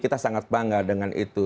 kita sangat bangga dengan itu